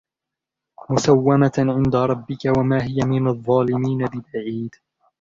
مُسَوَّمَةً عِنْدَ رَبِّكَ وَمَا هِيَ مِنَ الظَّالِمِينَ بِبَعِيدٍ